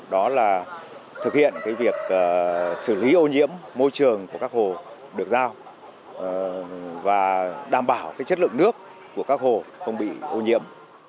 đó là thực hiện việc xử lý ô nhiễm môi trường của các hồ được giao và đảm bảo chất lượng nước của các hồ không bị ô nhiễm